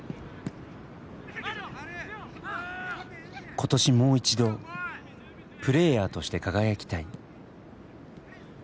今年もう一度「プレーヤーとして輝きたい」。